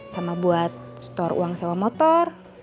sama buat store uang sewa motor